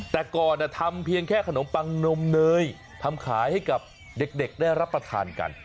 แต่ก่อนทำเพียงแค่ขนมปังนมเนยทำขายให้กับเด็กได้รับประทานกัน